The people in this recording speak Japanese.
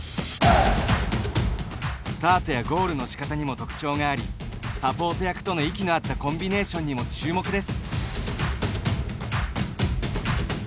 スタートやゴールのしかたにも特徴がありサポート役との息のあったコンビネーションにも注目です。